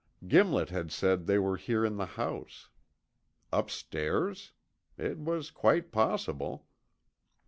Gimlet had said they were here in the house. Upstairs? It was quite possible.